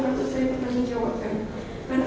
langsung saya bertanggung jawabkan karena